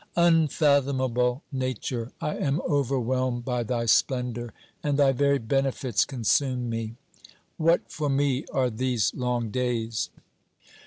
Unfathomable Nature ! I am overwhelmed by thy splendour and thy very benefits consume me. What for me are these long days?